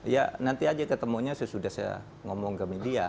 ya nanti saja ketemunya saya sudah saya ngomong ke media